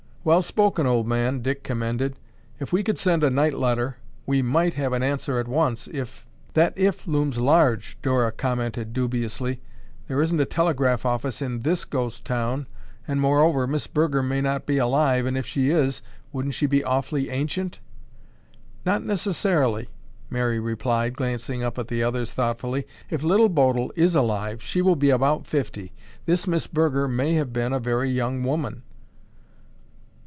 "Well spoken, old man," Dick commended. "If we could send a night letter, we might have an answer at once, if—" "That 'if' looms large," Dora commented dubiously. "There isn't a telegraph office in this ghost town, and, moreover, Miss Burger may not be alive and if she is, wouldn't she be awfully ancient?" "Not necessarily," Mary replied, glancing up at the others thoughtfully. "If Little Bodil is alive, she will be about fifty. This Miss Burger may have been a very young woman."